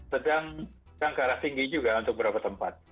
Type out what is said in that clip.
sedang kan ke arah tinggi juga untuk beberapa tempat